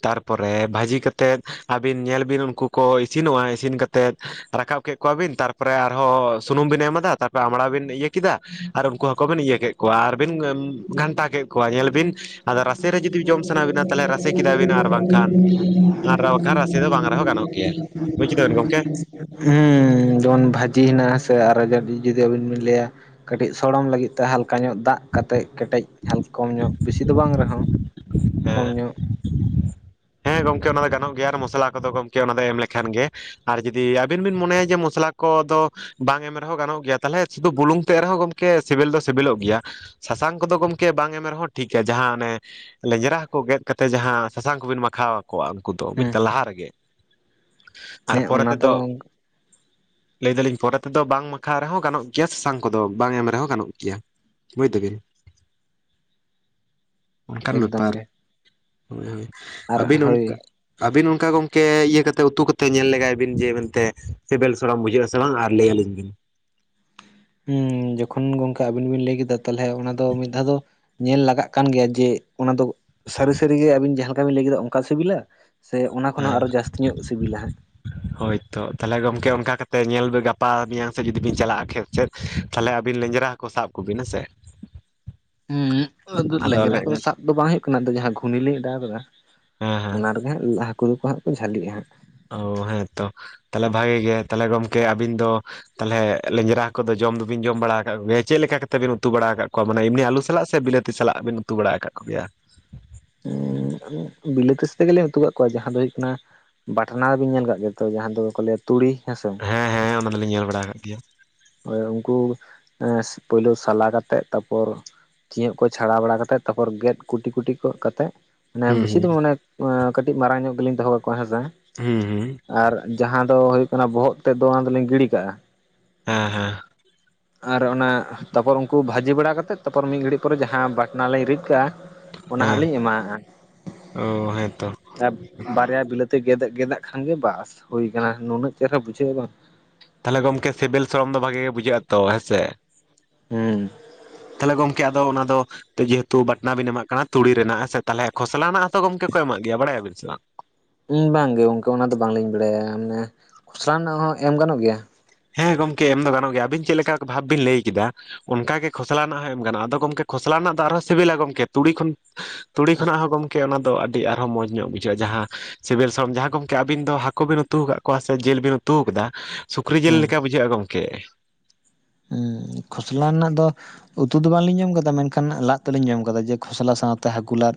ᱛᱟᱨᱯᱚᱨᱮ ᱵᱷᱟᱹᱡᱤ ᱠᱟᱛᱮᱫ ᱟᱵᱤᱱ ᱧᱮᱞ ᱵᱤᱱ ᱩᱱᱠᱩ ᱠᱚ ᱤᱥᱤᱱᱚᱜᱼᱟ ᱤᱥᱤᱱ ᱠᱟᱛᱮ ᱛᱮᱫ ᱨᱟᱠᱟᱵ ᱠᱮᱫ ᱠᱚᱣᱟ ᱵᱤᱱ ᱛᱟᱨᱯᱚᱨᱮ ᱟᱨᱦᱚᱸ ᱥᱩᱱᱩᱢ ᱵᱤᱱ ᱮᱢᱟᱫᱟ ᱛᱟᱨᱯᱚᱨᱮ ᱟᱢᱲᱟ ᱵᱤᱱ ᱤᱭᱟᱹ ᱠᱮᱫᱟ ᱟᱨ ᱩᱱᱠᱩ ᱦᱟᱠᱩ ᱵᱤᱱ ᱤᱭᱟᱹ ᱠᱮᱫ ᱠᱚᱣᱟ ᱟᱨᱵᱤᱱ ᱜᱷᱟᱱᱴᱟ ᱠᱮᱫ ᱠᱚᱣᱟ ᱧᱮᱞ ᱵᱤᱱ ᱟᱫᱚ ᱨᱟᱥᱮ ᱨᱮ ᱡᱩᱫᱤ ᱡᱚᱢ ᱥᱟᱱᱟ ᱵᱤᱱᱟ ᱛᱟᱦᱚᱞᱮ ᱨᱟᱥᱮ ᱠᱮᱫᱟ ᱵᱤᱱ ᱟᱨ ᱵᱟᱝᱠᱷᱟᱱ ᱟᱨ ᱵᱟᱝᱠᱷᱟᱱ ᱨᱟᱥᱮ ᱫᱚ ᱵᱟᱝ ᱨᱮᱦᱚᱸ ᱜᱟᱱᱚᱜ ᱜᱮᱭᱟ ᱵᱩᱡᱽ ᱠᱮᱫᱟ ᱵᱮᱱ ᱜᱚᱢᱠᱮ? ᱦᱮᱸ ᱵᱷᱟᱹᱡᱤ ᱦᱮᱱᱟᱜᱼᱟ ᱥᱮ ᱟᱨ ᱡᱩᱫᱤ ᱟᱹᱵᱤᱱ ᱵᱤᱱ ᱞᱟᱹᱭᱟ ᱠᱟᱹᱴᱤᱡ ᱥᱚᱲᱚᱢ ᱞᱟᱹᱜᱤᱫ ᱛᱮ ᱦᱟᱞ ᱠᱟ ᱧᱚᱜ ᱫᱟᱜ ᱠᱟᱛᱮᱫ ᱠᱮᱴᱮᱡ ᱠᱚᱢ ᱧᱚᱜ ᱵᱤᱥᱤ ᱫᱚ ᱵᱟᱝ ᱨᱮᱦᱚᱸ ᱦᱮᱸ ᱠᱚᱢ ᱧᱚᱜ ᱦᱮᱸ ᱜᱚᱝᱠᱮ ᱚᱱᱟ ᱫᱚ ᱜᱟᱱᱚᱜ ᱜᱮᱭᱟ ᱟᱨ ᱢᱚᱥᱞᱟ ᱠᱚᱫᱚ ᱜᱚᱢᱠᱮ ᱚᱱᱟ ᱫᱚ ᱮᱢ ᱞᱮᱠᱷᱟᱱ ᱜᱮ᱾ ᱟᱨ ᱡᱩᱫᱤ ᱟᱹᱵᱤᱱ ᱵᱤᱱ ᱢᱚᱱᱮᱭᱟ ᱡᱮ ᱢᱚᱥᱞᱟ ᱠᱚᱫᱚ ᱵᱟᱝ ᱮᱢ ᱨᱮᱦᱚᱸ ᱜᱟᱱᱚᱜ ᱜᱮᱭᱟ ᱛᱟᱦᱚᱞᱮ ᱥᱩᱫᱩ ᱵᱩᱞᱩᱝ ᱛᱮᱜ ᱨᱮᱦᱚᱸ ᱜᱚᱝᱠᱮ ᱥᱤᱵᱤᱞ ᱫᱚ ᱥᱤᱵᱤᱞᱚᱜ ᱜᱮᱭᱟ᱾ ᱥᱟᱥᱟᱝ ᱠᱚᱫᱚ ᱜᱚᱢᱠᱮ ᱵᱟᱝ ᱮᱢ ᱨᱮᱦᱚᱸ ᱴᱷᱤᱠ ᱟ ᱡᱟᱦᱟᱸ ᱚᱱᱮ ᱞᱮᱸᱡᱽᱨᱟ ᱦᱟᱹᱠᱩ ᱜᱮᱫ ᱠᱟᱛᱮᱫ ᱡᱟᱦᱟᱸ ᱥᱟᱥᱟᱝ ᱠᱚᱵᱤᱱ ᱢᱟᱠᱷᱟᱣᱠᱚᱣᱟ ᱩᱱᱠᱩ ᱫᱚ ᱦᱮᱸ ᱵᱩᱡᱫᱟ ᱞᱟᱦᱟ ᱨᱮᱜᱮ᱾ ᱟᱨ ᱦᱮᱸ ᱯᱚᱨᱮ ᱚᱱᱟ ᱫᱚ ᱛᱮᱫᱚ ᱞᱟᱹᱭ ᱫᱟᱞᱤᱧ ᱯᱚᱨᱮ ᱛᱮᱫᱚ ᱵᱟᱝ ᱢᱟᱠᱷᱟᱣ ᱨᱮᱦᱚᱸ ᱜᱟᱱᱚᱜ ᱜᱮᱭᱟ ᱥᱟᱥᱟᱝ ᱠᱚᱫᱚ ᱵᱟᱝ ᱮᱢ ᱨᱮᱦᱚᱸ ᱜᱟᱱᱚᱜ ᱜᱮᱭᱟ᱾ ᱵᱩᱡ ᱫᱟᱵᱤᱱ᱾ ᱚᱱᱠᱟᱱ ᱮᱠᱫᱚᱢ ᱵᱮᱯᱟᱨ ᱜᱮ ᱦᱳᱭ ᱦᱳᱭ᱾ ᱟᱨ ᱦᱳᱭ ᱟᱵᱤᱱ ᱚᱱᱠᱟ ᱜᱚᱝᱠᱮ ᱤᱭᱟᱹ ᱠᱟᱛᱮ ᱩᱛᱩ ᱠᱟᱛᱮ ᱧᱮᱞ ᱞᱮᱜᱟᱭ ᱵᱤᱱ ᱡᱮ ᱢᱮᱱᱛᱮ ᱥᱤᱵᱮᱞ ᱥᱚᱲᱚᱢ ᱵᱩᱷᱟᱹᱜᱼᱟ ᱥᱮ ᱵᱟᱝ ᱟᱨ ᱞᱟᱹᱭᱟᱞᱤᱧ ᱵᱤᱱ᱾ ᱦᱮᱸ ᱡᱚᱠᱷᱚᱱ ᱜᱚᱝᱠᱮ ᱟᱵᱤᱱ ᱵᱤᱱ ᱞᱟᱹᱭ ᱠᱮᱫᱟ ᱛᱟᱦᱚᱞᱮ ᱚᱱᱟ ᱫᱚ ᱢᱤᱫ ᱫᱷᱟᱣ ᱫᱚ ᱧᱮᱞ ᱞᱟᱜᱟᱜ ᱠᱟᱱ ᱜᱮᱭᱟ ᱡᱮ ᱚᱱᱟ ᱫᱚ ᱥᱟᱹᱨᱤ ᱥᱟᱹᱨᱤᱜᱮ ᱟᱹᱵᱤᱱ ᱡᱟᱦᱟᱸ ᱞᱮᱠᱟ ᱵᱤᱱ ᱞᱟᱹᱭ ᱠᱮᱫᱟ ᱚᱱᱠᱟ ᱥᱤᱵᱤᱞᱟ? ᱥᱮ ᱚᱱᱟ ᱠᱷᱚᱱ ᱦᱚᱸ ᱟᱨᱦᱚᱸ ᱡᱟᱹᱥᱛᱤ ᱧᱚᱜ ᱥᱤᱵᱤᱞᱟ ᱦᱟᱸᱜ᱾ ᱦᱳᱭ ᱛᱚ ᱛᱟᱦᱚᱞᱮ ᱜᱚᱝᱠᱮ ᱚᱱᱠᱟ ᱠᱟᱛᱮ ᱧᱮᱞ ᱵᱤᱱ ᱜᱟᱯᱟ ᱢᱮᱭᱟᱝ ᱥᱮᱜ ᱡᱩᱫᱤ ᱵᱤᱱ ᱪᱟᱞᱟᱜᱼᱟ ᱠᱷᱮᱛ ᱥᱮᱫ᱾ ᱛᱟᱦᱚᱞᱮ ᱟᱹᱵᱤᱱ ᱞᱮᱸᱡᱽᱨᱟ ᱦᱟᱹᱠᱩ ᱥᱟᱵ ᱠᱚᱵᱤᱱ ᱦᱮᱸᱥᱮ᱾ ᱦᱮᱸ ᱟᱫᱚ ᱞᱮᱸᱡᱽᱨᱟ ᱞᱮ ᱦᱟᱹᱠᱩ ᱫᱚ ᱦᱮᱸ ᱥᱟᱵ ᱫᱚ ᱵᱟᱝ ᱦᱩᱭᱩᱜ ᱠᱟᱱᱟ ᱟᱫᱚ ᱡᱟᱦᱟᱸ ᱜᱷᱩᱱᱤ ᱞᱤᱧ ᱚᱰᱟᱣ ᱟᱠᱟᱫᱟ ᱦᱮᱸ ᱚᱱᱟ ᱦᱟᱹᱠᱩ ᱫᱚ ᱠᱚ ᱦᱟᱸᱜ ᱠᱚ ᱡᱷᱟᱹᱞᱤᱜ ᱦᱟᱸᱜ᱾ ᱚᱻ ᱦᱮᱸ ᱛᱚ ᱛᱟᱦᱚᱞᱮ ᱵᱷᱟᱜᱮ ᱜᱮ ᱛᱟᱦᱞᱮ ᱜᱚᱢᱠᱮ ᱟᱹᱵᱤᱱ ᱫᱚ ᱛᱟᱦᱚᱞᱮ ᱞᱮᱸᱡᱽᱨᱟ ᱦᱟᱹᱠᱩ ᱫᱚ ᱡᱚᱢ ᱫᱚᱵᱤᱱ ᱡᱚᱢ ᱵᱟᱲᱟ ᱟᱠᱟᱫ ᱠᱚ ᱜᱮᱭᱟ ᱪᱮᱫ ᱞᱮᱠᱟ ᱠᱟᱛᱮᱫ ᱵᱤᱱ ᱩᱛᱩ ᱵᱟᱲᱟ ᱟᱠᱟᱫᱠᱚᱣᱟ ᱢᱟᱱᱮ ᱮᱢᱱᱤ ᱟᱞᱩ ᱥᱟᱞᱟᱜ ᱥᱮ ᱵᱤᱞᱟᱹᱛᱤ ᱛᱤ ᱥᱟᱞᱟᱜ ᱵᱤᱱ ᱩᱛᱩ ᱵᱟᱲᱟ ᱟᱠᱟᱫ ᱠᱚᱜᱮᱭᱟ? ᱵᱤᱞᱟᱹᱛᱤ ᱥᱟᱛᱮᱜᱮᱞᱤᱧ ᱩᱛᱩ ᱠᱟᱜ ᱠᱚᱣᱟ ᱡᱟᱦᱟᱸ ᱫᱚ ᱦᱩᱭᱩᱜ ᱠᱟᱱᱟ ᱵᱟᱴᱱᱟ ᱫᱚᱵᱤᱱ ᱧᱮᱞ ᱟᱠᱟᱜ ᱜᱮᱭᱟ ᱛᱚ ᱡᱟᱦᱟᱸ ᱫᱚᱠᱚ ᱞᱟᱹᱭᱟ ᱛᱩᱲᱤ ᱦᱮᱸᱥᱮ᱾ ᱦᱮᱸ ᱦᱮᱸ ᱚᱱᱟ ᱫᱚᱞᱤᱧ ᱧᱮᱞ ᱵᱟᱲᱟ ᱟᱠᱟᱫ ᱜᱮᱭᱟ᱾ ᱩᱱᱠᱩ ᱮᱻ ᱯᱳᱭᱞᱳ ᱥᱟᱞᱟ ᱠᱟᱛᱮᱜ ᱛᱟᱨᱯᱚᱨ ᱪᱤᱭᱟᱸᱜ ᱠᱚ ᱪᱷᱟᱲᱟᱣ ᱵᱟᱲᱟ ᱠᱟᱛᱮᱫ ᱛᱟᱨᱯᱚᱨ ᱜᱮᱫ ᱠᱩᱴᱤ ᱠᱩᱴᱤ ᱠᱚᱜ ᱠᱟᱛᱮᱫ ᱢᱟᱱᱮ ᱦᱩᱸ ᱵᱮᱥᱤ ᱫᱚ ᱦᱩᱸ ᱢᱟᱱᱮ ᱠᱟᱹᱴᱤᱡ ᱢᱟᱨᱟᱝ ᱧᱚᱜ ᱜᱮᱞᱤᱧ ᱫᱚᱦᱚ ᱠᱟ ᱠᱚᱣᱟ ᱦᱮᱸᱥᱮ᱾ ᱦᱩᱸ ᱦᱩᱸ᱾ ᱟᱨ ᱡᱟᱦᱟᱸ ᱫᱚ ᱦᱩᱭᱩᱜ ᱠᱟᱱᱟ, ᱵᱚᱦᱚᱜ ᱛᱮᱜᱫᱚ ᱚᱱᱟ ᱫᱚᱞᱤᱧ ᱜᱤᱰᱤ ᱠᱟᱜᱼᱟ᱾ ᱦᱮᱸ ᱦᱮᱸ᱾ ᱟᱨ ᱚᱱᱟ ᱛᱟᱨᱯᱚᱨ ᱩᱱᱠᱩ ᱵᱷᱟᱹᱡᱤ ᱵᱟᱲᱟ ᱠᱟᱛᱮᱫ, ᱛᱟᱨᱯᱚᱨ ᱢᱤᱫ ᱜᱷᱟᱹᱲᱤᱡ ᱯᱚᱨᱮ ᱡᱟᱦᱟᱸ ᱵᱟᱴᱱᱟ ᱞᱤᱧ ᱨᱤᱫ ᱠᱟᱜᱼᱟ ᱚᱱᱟ ᱦᱟᱸᱜ ᱦᱮᱸ ᱞᱤᱧ ᱮᱢᱟᱣᱟᱜᱼᱟ᱾ ᱚ ᱦᱮᱸᱛᱚ ᱟᱨ ᱵᱟᱨᱭᱟ ᱵᱤᱞᱟᱹᱛᱤ ᱜᱮᱫ ᱜᱮᱫᱟᱜ ᱠᱷᱟᱱ ᱜᱮ ᱵᱟᱥ ᱦᱩᱭ ᱟᱠᱟᱱᱟ, ᱱᱩᱱᱟᱹᱜ ᱪᱮᱨᱦᱟ ᱵᱩᱡᱷᱟᱹᱜᱼᱟ ᱵᱟᱝ᱾ ᱛᱟᱦᱚᱞᱮ ᱜᱚᱝᱠᱮ ᱥᱤᱵᱤᱞ ᱥᱚᱲᱚᱢ ᱫᱚ ᱵᱷᱟᱹᱜᱮ ᱜᱮ ᱵᱩᱡᱷᱟᱹᱜᱼᱟ ᱛᱚ, ᱦᱮᱸ ᱥᱮ? ᱦᱩᱸ᱾ ᱛᱟᱦᱮᱞᱮ ᱜᱚᱢᱠᱮ ᱟᱫᱚ ᱚᱱᱟ ᱫᱚ ᱛᱤ ᱡᱮᱦᱮᱛᱩ ᱵᱟᱴᱱᱟ ᱵᱤᱱ ᱮᱢᱟᱜ ᱠᱟᱱᱟ ᱛᱩᱲᱤ ᱨᱮᱱᱟᱜ ᱥᱮ ᱛᱟᱦᱮᱞᱮ ᱠᱷᱚᱥᱞᱟ ᱱᱟᱜ ᱛᱚ ᱜᱚᱢᱠᱮ ᱠᱚ ᱮᱢᱟ ᱜᱮᱭᱟ ᱵᱟᱲᱟ ᱭᱟᱹᱵᱤᱱ ᱥᱮ ᱵᱟᱝ? ᱩᱸ ᱵᱟᱝ ᱜᱮ ᱜᱚᱝᱠᱮ, ᱚᱱᱟ ᱫᱚ ᱵᱟᱝ ᱞᱤᱧ ᱵᱟᱲᱟᱭᱟ᱾ ᱢᱟᱱᱮ ᱠᱷᱚᱥᱲᱟ ᱨᱮᱱᱟᱜ ᱦᱚᱸ ᱮᱢ ᱜᱟᱱᱚᱜ ᱜᱮᱭᱟ? ᱦᱮᱸ ᱜᱚᱝᱠᱮ ᱮᱢ ᱫᱚ ᱜᱟᱱᱚᱜ ᱜᱮᱭᱟ, ᱟᱹᱵᱤᱱ ᱪᱮᱫ ᱞᱮᱠᱟᱠ ᱵᱷᱟᱹᱵᱽ ᱵᱤᱱ ᱞᱟᱹᱭ ᱠᱮᱫᱟ, ᱚᱱᱠᱟ ᱜᱮ ᱠᱷᱚᱥᱞᱟ ᱨᱮᱱᱟᱜ ᱦᱚᱸ ᱮᱢ ᱜᱟᱱᱚᱜᱼᱟ, ᱟᱫᱚ ᱜᱚᱢᱠᱮ, ᱠᱷᱚᱥᱞᱟ ᱨᱮᱱᱟᱜ ᱫᱚ ᱟᱨᱦᱚᱸ ᱥᱤᱵᱤᱞᱟ ᱜᱚᱢᱠᱮ, ᱛᱩᱲᱤ ᱠᱷᱚᱱ ᱛᱩᱲᱤ ᱠᱷᱚᱱᱟᱜ ᱦᱚᱸ ᱜᱚᱢᱠᱮ, ᱚᱱᱟ ᱫᱚ ᱟᱹᱰᱤ ᱟᱨᱦᱚᱸ ᱢᱚᱡᱽ ᱧᱚᱜ ᱵᱩᱡᱷᱟᱹᱜᱼᱟ, ᱡᱟᱦᱟᱸ ᱥᱤᱵᱤᱞ ᱥᱚᱲᱚᱢ ᱡᱟᱦᱟᱸ ᱜᱚᱢᱠᱮ ᱟᱹᱵᱤᱱ ᱫᱚ ᱦᱟᱹᱠᱩ ᱵᱤᱱ ᱩᱛᱩ ᱟᱠᱟᱫ ᱠᱚᱣᱟ, ᱥᱮ ᱡᱤᱞ ᱵᱤᱱ ᱩᱛᱩ ᱟᱠᱟᱫᱟ, ᱥᱩᱠ ᱠᱨᱤ ᱡᱤᱞ ᱦᱮᱸ ᱞᱮᱠᱟ ᱵᱩᱡᱷᱟᱹᱜᱼᱟ, ᱜᱚᱢᱠᱮ᱾ ᱦᱮᱸ ᱠᱷᱚᱥᱞᱟ ᱨᱮᱱᱟᱜ ᱫᱚ ᱩᱛᱩ ᱫᱚ ᱵᱟᱝ ᱞᱤᱧ ᱡᱚᱢ ᱟᱠᱟᱫᱟ, ᱢᱮᱱᱠᱷᱟᱱ ᱞᱟᱫ ᱫᱚᱞᱤᱧ ᱡᱚᱢ ᱟᱠᱟᱫᱟ ᱡᱮ ᱠᱷᱚᱥᱞᱟ ᱥᱟᱶᱛᱮ ᱦᱟᱹᱠᱩ ᱞᱟᱫᱽ᱾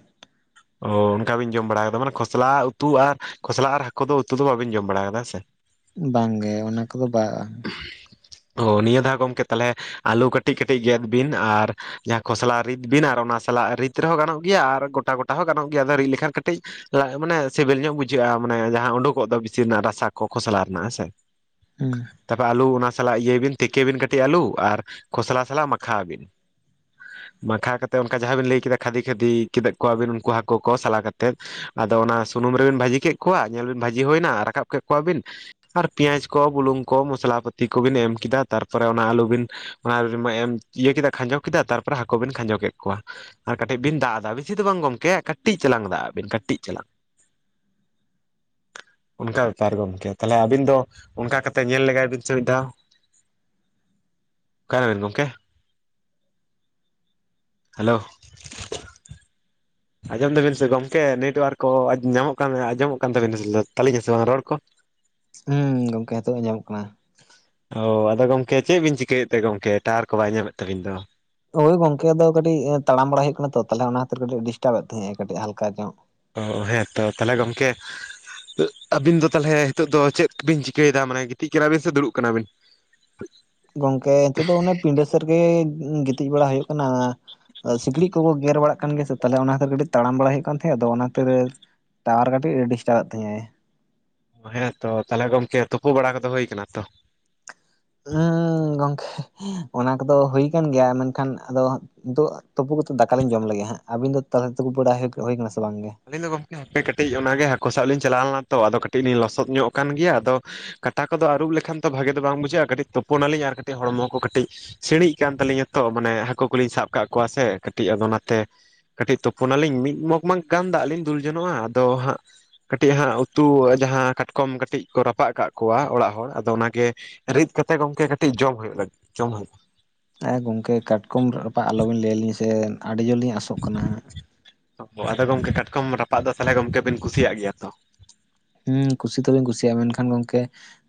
ᱚ ᱚᱱᱠᱟ ᱵᱤᱱ ᱡᱚᱢ ᱵᱟᱲᱟ ᱟᱠᱟᱫᱟ, ᱢᱟᱱᱮ ᱠᱷᱚᱥᱞᱟ ᱩᱛᱩ ᱟᱨ ᱠᱷᱚᱥᱞᱟ ᱟᱨ ᱦᱟᱹᱠᱩ ᱫᱚ ᱩᱛᱩ ᱫᱚ ᱵᱟᱹᱵᱤᱱ ᱡᱚᱢ ᱵᱟᱲᱟ ᱟᱠᱟᱫᱟ ᱦᱮᱸ ᱥᱮ? ᱵᱟᱝ ᱜᱮ ᱚᱱᱟ ᱠᱚᱫᱚ ᱵᱟᱝᱼᱟ᱾ ᱚᱦᱚ ᱱᱤᱭᱟᱹ ᱫᱷᱟᱣ ᱜᱚᱝᱠᱮ ᱛᱟᱞᱦᱮ ᱟᱹᱞᱩ ᱠᱟᱹᱴᱤᱡ ᱠᱟᱹᱴᱤᱡ ᱜᱮᱫ ᱵᱤᱱ ᱟᱨ ᱡᱟᱦᱟᱸ ᱠᱷᱚᱥᱞᱟ ᱨᱤᱫ ᱵᱤᱱ ᱟᱨ ᱚᱱᱟ ᱥᱟᱞᱟᱜ ᱨᱤᱛ ᱨᱮᱦᱚᱸ ᱜᱟᱱᱚᱜ ᱜᱮᱭᱟ ᱟᱨ ᱜᱚᱴᱟ ᱜᱚᱴᱟ ᱦᱚᱸ ᱜᱟᱱᱚᱜ ᱜᱮᱭᱟ᱾ ᱟᱫᱚ ᱨᱤᱫ ᱞᱮᱠᱷᱟᱱ ᱠᱟᱹᱴᱤᱡ ᱞᱟᱡ ᱢᱟᱱᱮ ᱥᱤᱵᱤᱞ ᱧᱚᱜ ᱵᱩᱡᱷᱟᱹᱜᱼᱟ, ᱟᱸ ᱢᱟᱱᱮ ᱡᱟᱦᱟᱸ ᱩᱰᱩᱠᱚᱜ ᱫᱚ ᱵᱤᱥᱤ ᱨᱮᱱᱟᱜ ᱨᱟᱥᱟ ᱠᱚ, ᱠᱷᱚᱥᱞᱟ ᱨᱮᱱᱟᱜ ᱦᱮᱸ ᱥᱮ ᱦᱩᱸ ᱛᱟᱯᱚᱨ ᱟᱹᱞᱩ ᱚᱱᱟ ᱥᱟᱞᱟᱜ ᱤᱭᱟᱹᱭ ᱵᱤᱱ ᱛᱤᱠᱤ ᱵᱤᱱ ᱠᱟᱹᱴᱤᱡ ᱟᱹᱞᱩ ᱟᱨ ᱠᱷᱚᱥᱞᱟ ᱥᱟᱞᱟᱜ ᱢᱟᱠᱷᱟᱣ ᱵᱤᱱ᱾ ᱢᱟᱠᱷᱟᱣ ᱠᱟᱛᱮ ᱚᱱᱠᱟ ᱡᱟᱦᱟᱸ ᱵᱤᱱ ᱞᱟᱹᱭ ᱠᱮᱫᱟ, ᱠᱷᱟᱹᱫᱤ ᱠᱷᱟᱹᱫᱤ ᱠᱮᱫ ᱠᱚᱣᱟ ᱵᱤᱱ ᱩᱱᱠᱩ ᱦᱟᱠᱳ ᱠᱚ ᱥᱟᱞᱟ ᱠᱟᱛᱮᱫ ᱚᱱᱟ ᱫᱚ ᱚᱱᱟ ᱥᱩᱱᱩᱢ ᱨᱮᱵᱤᱱ ᱵᱷᱟᱹᱡᱤ ᱠᱮᱜ ᱠᱚᱣᱟ, ᱧᱮᱞ ᱵᱤᱱ ᱵᱷᱟᱹᱡᱤ ᱦᱩᱭ ᱮᱱᱟ ᱨᱟᱠᱟᱵ ᱠᱮᱫ ᱠᱚᱣᱟ ᱵᱤᱱ, ᱟᱨ ᱯᱮᱸᱭᱟᱡᱽ ᱠᱚ, ᱵᱩᱞᱩᱝ ᱠᱚ, ᱢᱚᱥᱞᱟ ᱯᱟᱹᱛᱤ ᱠᱚᱵᱤᱱ ᱮᱢ ᱠᱮᱫᱟ, ᱛᱟᱨᱯᱚᱨᱮ ᱚᱱᱟ ᱟᱹᱞᱩ ᱵᱤᱱ ᱚᱱᱟ ᱨᱤᱢᱟ ᱮᱢ ᱤᱭᱟᱹ ᱠᱮᱫᱟ ᱠᱷᱟᱸᱡᱚ ᱠᱮᱫᱟ ᱛᱟᱨᱯᱚᱨᱮ ᱦᱟᱹᱠᱩ ᱵᱮᱱ ᱠᱷᱟᱸᱡᱚ ᱠᱮᱫ ᱠᱚᱣᱟ᱾ ᱟᱨ ᱠᱟᱹᱴᱤᱡ ᱵᱤᱱ ᱫᱟᱜ ᱟᱫᱟ, ᱵᱮᱥᱤ ᱫᱚ ᱜᱚᱢᱠᱮ ᱠᱟᱹᱴᱤᱡ ᱪᱟᱞᱟᱝ ᱫᱟᱜᱼᱟ ᱵᱤᱱ ᱠᱟᱹᱴᱤᱡ ᱪᱟᱞᱟᱝ [inaudible] ᱚᱱᱠᱟ ᱵᱮᱯᱟᱨ ᱜᱚᱢᱠᱮ, ᱛᱟᱦᱚᱞᱮ ᱟᱹᱵᱤᱱ ᱫᱚ ᱚᱱᱠᱟ ᱠᱟᱛᱮ ᱧᱮᱞ ᱞᱮᱜᱟᱭ ᱵᱤᱱ ᱥᱮ ᱢᱤᱫ ᱫᱷᱟᱣ᱾ ᱚᱠᱟᱭᱮᱱᱟ ᱵᱤᱱ ᱜᱚᱢᱠᱮ? ᱦᱮᱞᱳ! ᱟᱸᱡᱚᱢ ᱮᱫᱟ ᱵᱤᱱ ᱥᱮ ᱜᱚᱝᱠᱮ ᱱᱟᱹᱭᱴ ᱣᱟᱨᱠ ᱠᱚ ᱟ ᱧᱟᱢᱚᱜ ᱠᱟᱱ ᱫᱚ, ᱟᱸᱡᱚᱢᱚᱜ ᱠᱟᱱ ᱛᱟᱹᱵᱤᱱᱟ ᱥᱮ ᱛᱟᱹᱞᱤᱧᱟ ᱥᱮ ᱵᱟᱝ ᱨᱚᱲ ᱠᱚ? ᱦᱩᱸ ᱜᱚᱝᱠᱮ ᱦᱤᱛᱚᱜ ᱟᱸᱡᱚᱢᱚᱜ ᱠᱟᱱᱟ᱾ ᱚ ᱟᱫᱚ ᱜᱚᱢᱠᱮ ᱪᱮᱜ ᱵᱤᱱ ᱪᱤᱠᱟᱹᱭᱮᱫ ᱛᱮ ᱜᱚᱢᱠᱮ? ᱴᱟᱣᱟᱨ ᱠᱚ ᱵᱟᱭ ᱧᱟᱢᱮᱫ ᱛᱟᱹᱵᱤᱱ ᱫᱚ? ᱦᱚᱭ ᱜᱚᱝᱠᱮ ᱟᱫᱚ ᱠᱟᱹᱴᱤᱡ ᱮᱸ ᱛᱟᱲᱟᱢ ᱵᱟᱲᱟᱭ ᱦᱩᱭᱩᱜ ᱠᱟᱱᱟ ᱛᱚ ᱛᱟᱦᱮᱞᱮ ᱚᱱᱟ ᱠᱷᱟᱹᱛᱤᱨ ᱠᱟᱹᱴᱤᱡ ᱰᱤᱥᱴᱟᱵ ᱮᱫ ᱛᱟᱦᱮᱸᱜᱼᱟ ᱠᱟᱹᱴᱤᱡ ᱦᱟᱞᱠᱟ ᱧᱚᱜ᱾ ᱚᱦᱚᱜ ᱦᱮᱸ ᱛᱚ, ᱛᱟᱦᱮᱞᱮ ᱜᱚᱝᱠᱮ ᱟᱹᱜ ᱟᱹᱵᱤᱱ ᱫᱚ ᱛᱟᱞᱦᱮ ᱦᱤᱛᱚᱜ ᱫᱚ ᱪᱮᱫ ᱵᱤᱱ ᱪᱤᱠᱟᱹᱭᱮᱫᱟ? ᱢᱟᱱᱮ ᱜᱤᱛᱤᱡ ᱠᱟᱱᱟ ᱵᱤᱱ ᱥᱮ ᱫᱩᱲᱩᱵ ᱠᱟᱱᱟ ᱵᱤᱱ? ᱜᱚᱝᱠᱮ ᱱᱤᱛᱚᱜ ᱫᱚ ᱚᱱᱮ ᱯᱤᱸᱰᱟᱹ ᱥᱮᱫ ᱛᱮᱜᱮ ᱜᱤᱛᱤᱡ ᱵᱟᱲᱟ ᱦᱩᱭᱩᱜ ᱠᱟᱱᱟ, ᱟᱸ ᱥᱤᱠᱬᱤᱡ ᱠᱚᱠᱚ ᱜᱮᱨ ᱵᱟᱲᱟᱜ ᱠᱟᱱ ᱜᱮᱭᱟ ᱥᱮ ᱛᱟᱞᱦᱮ ᱚᱱᱟᱛᱮ ᱠᱷᱟᱹᱛᱤᱨ ᱠᱟᱹᱴᱤᱡ ᱛᱟᱲᱟᱢ ᱵᱟᱲᱟᱭ ᱦᱩᱭᱩᱜ ᱠᱟᱱ ᱛᱟᱦᱮᱸᱫ, ᱟᱫᱚ ᱚᱱᱟ ᱠᱷᱟᱛᱤᱨ ᱴᱟᱣᱟᱨ ᱠᱟᱹᱴᱤᱡ ᱰᱤᱥᱴᱟᱵᱮᱜ ᱛᱤᱧᱟᱹᱭ ᱚ ᱦᱮᱲᱮᱫ ᱛᱚ ᱛᱟᱦᱚᱞᱮ ᱜᱚᱝᱠᱮ ᱛᱩᱯᱩ ᱵᱟᱲᱟ ᱠᱚᱫᱚ ᱦᱩᱭ ᱟᱠᱟᱱᱟ ᱛᱚ? ᱦᱩᱸ ᱜᱚᱝᱠᱮ ᱚᱱᱟ ᱠᱚᱫᱚ ᱦᱩᱭ ᱠᱟᱱ ᱜᱮᱭᱟ, ᱢᱮᱱᱠᱷᱟᱱ ᱟᱫᱚ ᱱᱤᱫᱚᱜ ᱛᱩᱯᱩ ᱠᱟᱛᱮᱫ ᱫᱟᱠᱟ ᱞᱤᱧ ᱡᱚᱢ ᱞᱮᱜᱮ ᱦᱟᱸᱜ, ᱟᱹᱵᱤᱱ ᱫᱚ ᱛᱟᱦᱮᱞᱮ ᱛᱩᱯᱩ ᱵᱟᱲᱟ ᱦᱚᱭ ᱦᱩᱭ ᱠᱟᱱᱟ ᱥᱮ ᱵᱟᱝ ᱜᱮ? ᱟᱹᱞᱤᱧ ᱫᱚ ᱜᱚᱝᱠᱮ ᱦᱟᱯᱮ ᱠᱟᱹᱴᱤᱡ ᱚᱱᱟᱜᱮ ᱦᱟᱹᱠᱩ ᱥᱟᱵ ᱞᱤᱧ ᱪᱟᱞᱟᱣ ᱞᱮᱱᱟ ᱛᱚ, ᱟᱫᱚ ᱠᱟᱹᱴᱤᱡ ᱞᱤᱧ ᱞᱚᱥᱚᱫ ᱧᱚᱜ ᱟᱠᱟᱱ ᱜᱮᱭᱟ, ᱟᱫᱚ ᱠᱟᱴᱟ ᱠᱚᱫᱚ ᱟᱹᱨᱩᱵ ᱞᱮᱠᱷᱟᱱ ᱫᱚ ᱵᱷᱟᱹᱜᱮ ᱫᱚ ᱵᱟᱝ ᱵᱩᱡᱷᱟᱹᱜᱼᱟ, ᱠᱟᱹᱴᱤᱡ ᱛᱳᱯᱳ ᱱᱟᱹᱞᱤᱧ ᱟᱨ ᱠᱟᱹᱴᱤᱡ ᱦᱚᱲᱢᱚ ᱠᱚ ᱠᱟᱹᱴᱤᱡ ᱥᱤᱬᱤᱡ ᱠᱟᱱ ᱛᱟᱹᱞᱤᱧᱟ ᱛᱚ, ᱢᱟᱱᱮ ᱦᱟᱹᱠᱩ ᱠᱚᱞᱤᱧ ᱥᱟᱵ ᱠᱟᱜ ᱠᱚᱣᱟ ᱥᱮ ᱠᱟᱹᱴᱤᱡ ᱟᱫᱚ ᱚᱱᱟᱛᱮ ᱠᱟᱹᱴᱤᱡ ᱛᱳᱯᱳ ᱱᱟᱹᱞᱤᱧ ᱢᱤᱫ ᱢᱚᱜᱽᱼ ᱢᱟᱜᱽ ᱜᱟᱱ ᱫᱟᱜ ᱞᱤᱧ ᱫᱩᱞ ᱡᱚᱱᱚᱜᱼᱟ, ᱟᱫᱚ ᱦᱟᱸᱜ ᱠᱟᱹᱴᱤᱡ ᱦᱟᱸᱜ ᱩᱛᱩ ᱟᱸ ᱡᱟᱦᱟᱸ ᱠᱟᱴᱠᱚᱢ ᱠᱟᱹᱴᱤᱡ ᱠᱚ ᱨᱟᱯᱟᱜ ᱠᱟᱜ ᱠᱚᱣᱟ ᱚᱲᱟᱜ ᱦᱚᱲ, ᱟᱫᱚ ᱚᱱᱟᱜᱮ ᱨᱤᱫ ᱠᱟᱛᱮ ᱜᱚᱢᱠᱮ ᱠᱟᱹᱴᱤᱡ ᱡᱚᱢ ᱦᱩᱭᱩᱜ ᱞᱟᱹᱜᱽ, ᱡᱚᱢ ᱦᱩᱭᱩᱜ᱾ ᱛᱟᱭ ᱜᱚᱝᱠᱮ ᱠᱟᱴᱠᱚᱢ ᱨᱟᱯᱟᱜ ᱟᱞᱚᱵᱤᱱ ᱞᱟᱹᱭ ᱟᱹᱞᱤᱧ ᱥᱮ ᱟᱹᱰᱤ ᱡᱩᱨ ᱞᱤᱧ ᱟᱥᱚᱜ ᱠᱟᱱᱟ ᱦᱟᱸᱜ᱾ ᱚᱦᱚ, ᱟᱫᱚ ᱜᱚᱝᱠᱮ ᱠᱟᱴᱠᱚᱢ ᱨᱟᱯᱟᱜ ᱫᱚ ᱛᱟᱦᱚᱞᱮ ᱜᱚᱢᱠᱮ ᱵᱤᱱ ᱠᱩᱥᱤᱭᱟᱜ ᱜᱮᱭᱟ ᱛᱚ᱾ ᱦᱩ ᱠᱩᱥᱤ ᱫᱚᱞᱤᱧ ᱠᱩᱥᱤᱭᱟᱜ-ᱟ ᱢᱮᱱᱠᱷᱟᱱ ᱜᱚᱝᱠᱮ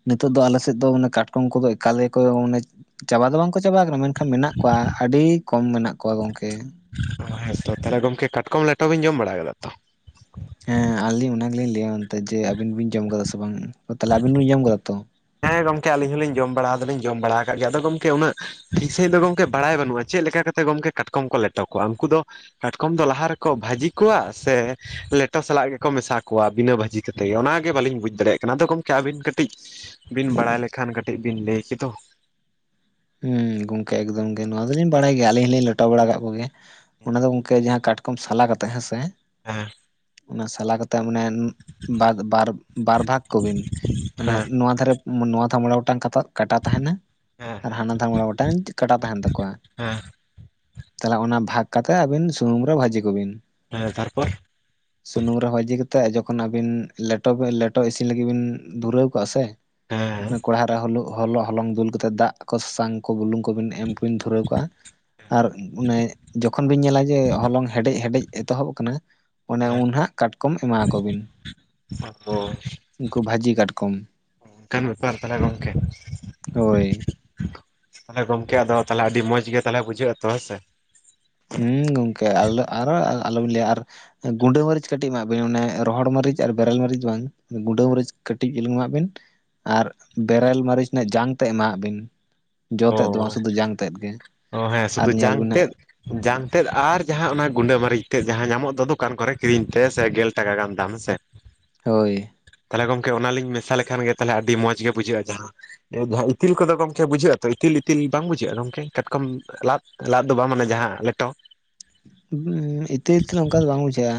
ᱱᱤᱛᱚᱜ ᱫᱚ ᱟᱞᱮᱥᱮᱫ ᱫᱚ ᱢᱟᱱᱮ ᱠᱟᱴᱠᱚᱢ ᱠᱚᱫᱚ ᱮᱠᱟᱞ ᱜᱮ ᱠᱚ ᱢᱟᱱᱮ ᱪᱟᱵᱟ ᱫᱚ ᱵᱟᱝ ᱠᱚ ᱪᱟᱵᱟ ᱟᱠᱟᱱᱟ ᱢᱮᱱ ᱠᱷᱟ ᱢᱮᱱᱟᱜ ᱠᱚᱭᱟ ᱟᱹᱰᱤ ᱠᱚᱢ ᱢᱮᱱᱟᱜ ᱠᱚᱣᱟ ᱜᱚᱝᱠᱮ ᱾ ᱚ ᱦᱮᱸ ᱛᱚ ᱛᱟᱦᱚᱞᱮ ᱜᱚᱝᱠᱮ ᱠᱟᱴᱠᱚᱢ ᱞᱮᱴᱚ ᱵᱮᱱ ᱡᱚᱢ ᱵᱟᱲᱟ ᱠᱟᱫᱟ ᱛᱚ? ᱦᱮᱸ ᱟᱞᱤᱧ ᱚᱱᱟ ᱜᱮᱞᱤᱧ ᱞᱟᱹᱭᱟ ᱢᱮᱱᱛᱮ ᱡᱮ ᱟᱵᱤᱱ ᱵᱤᱱ ᱡᱚᱢ ᱠᱟᱫᱟ ᱥᱮ ᱵᱟᱝ, ᱛᱟᱦᱚᱞᱮ ᱟᱵᱤᱱ ᱵᱤᱱ ᱡᱚᱢ ᱟᱠᱟᱫᱟ ᱛᱚ ᱾ ᱦᱮᱸ ᱜᱚᱝᱠᱮ ᱟᱹᱞᱤᱧ ᱦᱚᱞᱤᱧ ᱡᱚᱢ ᱵᱟᱲᱟ ᱫᱚ ᱞᱤᱧ ᱡᱚᱢ ᱵᱟᱲᱟ ᱟᱠᱟᱜ ᱜᱮ ᱟᱫᱚ ᱜᱚᱝᱠᱮ ᱩᱱᱟᱹᱜ ᱴᱤᱠ ᱥᱟᱺᱦᱤᱡ ᱫᱚ ᱜᱚᱝᱠᱮ ᱵᱟᱲᱟᱭ ᱵᱟᱹᱱᱩᱜᱼᱟ ᱪᱮᱫ ᱞᱮᱠᱟ ᱠᱟᱛᱮ ᱜᱚᱝᱠᱮ ᱠᱟᱴᱠᱚᱢ ᱠᱚ ᱞᱮᱴᱚ ᱠᱚᱣᱟ ᱩᱱᱠᱩ ᱫᱚ ᱠᱟᱴᱠᱚᱢ ᱫᱚ ᱞᱟᱦᱟ ᱨᱮᱠᱚ ᱵᱷᱟᱹᱡᱤ ᱠᱚᱣᱟ ᱥᱮ ᱞᱮᱴᱚ ᱥᱟᱞᱟᱜ ᱜᱮᱠᱚ ᱢᱮᱥᱟ ᱠᱚᱣᱟ ᱵᱤᱱᱟᱹ ᱵᱷᱟᱹᱡᱤ ᱠᱟᱛᱮ ᱚᱱᱟᱜᱮ ᱵᱟᱹᱞᱤᱧ ᱵᱩᱡᱽ ᱫᱟᱲᱮᱭᱟᱜ ᱠᱟᱱᱟ ᱟᱫᱚ ᱜᱚᱝᱠᱮ ᱟᱹᱵᱤᱱ ᱠᱟᱹᱴᱤᱡ ᱵᱤᱱ ᱵᱟᱲᱟᱭ ᱞᱮᱠᱷᱟᱱ ᱠᱟᱹᱴᱤᱡ ᱵᱤᱱ ᱞᱟᱹᱭ ᱠᱮᱫᱚ? ᱦᱩᱸ ᱜᱚᱝᱠᱮ ᱮᱠᱫᱚᱢ ᱜᱮ ᱱᱚᱣᱟ ᱫᱚᱞᱤᱧ ᱵᱟᱰᱟᱭ ᱜᱮᱭᱟ ᱟᱞᱤᱧ ᱦᱚᱞᱤᱧ ᱞᱮᱴᱚ ᱵᱟᱲᱟ ᱠᱟᱜ ᱠᱚ ᱜᱮᱭᱟ ᱦᱮᱸ ᱚᱱᱟ ᱫᱚ ᱡᱟᱦᱟᱸ ᱠᱟᱴ ᱠᱚᱢ ᱥᱟᱞᱟ ᱠᱟᱛᱮ ᱦᱮᱸ ᱥᱮ ᱮᱦᱮᱸ ᱚᱱᱟ ᱥᱟᱞᱟ ᱠᱟᱛᱮᱜ ᱢᱟᱱᱮ ᱵᱟᱜ ᱵᱟᱨ ᱵᱟᱨ ᱵᱷᱟᱜᱽ ᱠᱚ ᱵᱤᱱ ᱢᱟᱱᱮ ᱦᱮᱸ ᱱᱚᱣᱟ ᱫᱷᱟᱨᱮ ᱱᱚᱣᱟ ᱫᱷᱟ ᱢᱚᱲᱮ ᱜᱚᱴᱟᱝ ᱠᱟᱛᱟ ᱠᱟᱴᱟ ᱛᱟᱦᱮᱱᱟ ᱟᱨ ᱦᱮᱸ ᱦᱟᱱᱟ ᱫᱷᱟ ᱢᱚᱲᱮ ᱜᱚ ᱠᱟᱴᱟ ᱛᱟᱦᱮᱱ ᱛᱟᱠᱚᱣᱟ ᱾ ᱦᱮᱸ ᱛᱟᱦᱚᱞᱮ ᱚᱱᱟ ᱵᱷᱟᱜᱽ ᱠᱟᱛᱮ ᱟᱹᱵᱤᱱ ᱥᱩᱱᱩᱢ ᱨᱮ ᱵᱷᱟᱹᱡᱤ ᱠᱚ ᱵᱤᱱ᱾ ᱦᱮᱸ ᱛᱟᱨᱯᱚᱨ? ᱥᱩᱱᱩᱢ ᱨᱮ ᱵᱷᱟᱹᱡᱤ ᱠᱟᱛᱮ ᱡᱚᱠᱷᱚᱱ ᱟᱹᱵᱤᱱ ᱞᱮᱴᱚ ᱵᱮ ᱞᱮᱴᱚ ᱤᱥᱤᱱ ᱞᱟᱹᱜᱤᱫ ᱵᱤᱱ ᱫᱷᱩᱨᱟᱹᱣ ᱠᱟᱜᱼᱟ ᱥᱮ ᱦᱮᱸ ᱠᱚᱲᱦᱟ ᱨᱮ ᱦᱚ ᱦᱚᱞᱚ ᱦᱚᱞᱚᱝ ᱫᱩᱞ ᱠᱟᱛᱮ ᱫᱟᱜ ᱠᱚ ᱥᱟᱥᱟᱝ ᱠᱚ ᱵᱩᱞᱝ ᱠᱚ ᱠᱚᱵᱤᱱ ᱮᱢ ᱵᱤᱱ ᱫᱷᱩᱨᱟᱹᱣ ᱠᱟᱜ-ᱟ ᱟᱨ ᱚᱱᱮ ᱡᱚᱠᱷᱚᱱ ᱵᱤᱱ ᱧᱮᱞᱟ ᱡᱮ ᱦᱚᱞᱚᱝ ᱦᱮᱰᱮᱡ ᱦᱮᱰᱮᱡ ᱮᱛᱚᱦᱚᱵ ᱟᱠᱟᱱᱟ ᱚᱱᱮ ᱦᱮᱸ ᱩᱱᱦᱟᱜ ᱠᱟᱴᱠᱚᱢ ᱮᱢᱟ ᱠᱚ ᱵᱤᱱ ᱚ ᱩᱱᱠᱩ ᱵᱷᱟᱹᱡᱤ ᱠᱟᱴᱠᱚᱢ ᱚᱱᱠᱟᱱ ᱵᱮᱯᱟᱨ ᱛᱟᱦᱚᱞᱮ ᱜᱚᱝᱠᱮ ᱦᱳᱭ ᱛᱟᱦᱞᱮ ᱜᱚᱝᱠᱮ ᱟᱫᱚ ᱛᱟᱦᱮᱞᱮ ᱟᱹᱰᱤ ᱢᱚᱸᱡᱽ ᱜᱮ ᱛᱟᱦᱚᱞᱮ ᱵᱩᱡᱷᱟᱹᱜ-ᱟ ᱛᱚ ᱦᱳᱭᱥᱮ? ᱦᱩᱸ ᱜᱚᱝᱠᱮ ᱟᱞᱚ ᱟᱨᱚ ᱟᱞᱚᱵᱤᱱ ᱞᱟᱹᱭᱟ ᱟᱨ ᱜᱩᱸᱰᱟᱹ ᱢᱟᱹᱨᱤᱪ ᱠᱟᱹᱴᱤᱡ ᱮᱢᱟᱜ ᱵᱤᱱ, ᱚᱱᱮ ᱨᱚᱦᱚᱲ ᱢᱟᱹᱨᱤᱪ ᱟᱨ ᱵᱮᱨᱮᱞ ᱢᱟᱹᱨᱤᱪ ᱵᱟᱝ ᱜᱩᱸᱰᱟᱹ ᱢᱟᱹᱨᱤᱪ ᱠᱟᱹᱴᱤᱡ ᱪᱩᱞᱩᱝ ᱮᱢᱟᱜ ᱵᱤᱱ ᱟᱨ ᱵᱮᱨᱮᱞ ᱢᱟᱹᱨᱤᱪ ᱨᱮᱱᱟᱜ ᱡᱟᱝ ᱛᱮᱫ ᱮᱢᱟᱣᱟᱜ ᱵᱤᱱ ᱾ ᱡᱚ ᱛᱮᱫ ᱫᱚ ᱚ ᱵᱟᱝ ᱥᱩᱫᱩ ᱡᱟᱝ ᱛᱮᱫ ᱜᱮ ᱚ ᱦᱮᱸ ᱟᱨ ᱥᱩᱫᱷᱩ ᱧᱮᱞ ᱡᱟᱝ ᱵᱤᱱ ᱦᱟᱸᱜ ᱛᱮᱫ ᱡᱟᱝ ᱛᱮᱫ ᱟᱨ ᱡᱟᱦᱟ ᱚᱱᱟ ᱜᱩᱸᱰᱟᱹ ᱢᱟᱹᱨᱤᱪ ᱛᱮᱫ ᱡᱟᱦᱟ ᱧᱟᱢᱚᱜ ᱫᱚ ᱫᱳᱠᱟᱱ ᱠᱚᱨᱮᱜ ᱠᱤᱨᱤᱧ ᱛᱮ ᱜᱮᱞ ᱴᱟᱠᱟ ᱜᱟᱱ ᱫᱟᱢ ᱦᱮᱸ ᱥᱮ ᱦ ᱦᱳᱭ ᱛᱟᱦᱚᱞᱮ ᱜᱚᱝᱠᱮ ᱚᱱᱟᱞᱤᱧ ᱢᱮᱥᱟ ᱞᱮᱠᱷᱟᱱ ᱜᱮ ᱛᱟᱦᱚᱞᱮ ᱟᱹᱰᱤ ᱢᱚᱡᱽ ᱜᱮ ᱵᱩᱡᱷᱟᱹᱜᱼᱟ ᱡᱟᱦᱟᱸ ᱤᱛᱤᱞ ᱠᱚᱫᱚ ᱜᱚᱝᱠᱮ ᱵᱩᱡᱷᱟᱹᱜ ᱛᱚ ᱤᱛᱤᱞ ᱤᱛᱤᱞ ᱵᱟᱝ ᱵᱩᱡᱷᱟᱹᱜᱼᱟ ᱜᱚᱝᱠᱮ ᱠᱟᱴᱠᱚᱢ ᱞᱟᱫ ᱞᱟᱫ ᱫᱚ ᱵᱟᱝ ᱢᱟᱱᱮ ᱡᱟᱦᱟᱸ ᱞᱮᱴᱚ? ᱚ ᱤᱛᱤᱞ ᱤᱛᱤᱞ ᱚᱱᱠᱟ ᱫᱚ ᱵᱟᱝ ᱵᱩᱡᱷᱟᱹᱜᱼᱟ